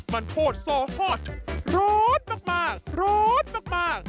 มันโฆษ์ซอฮอตรูดมากมากรูดมากมาก